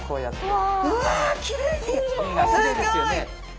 うわきれいに！